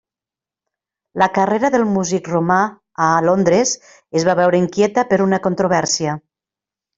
La carrera del músic romà a Londres es va veure inquieta per una controvèrsia.